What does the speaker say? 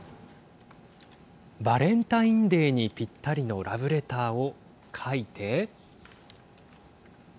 バレンタインデーにぴったりのラブレターを書いて。